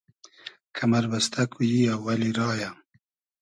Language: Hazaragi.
کئمئر بئستۂ کو ای اوئلی رایۂ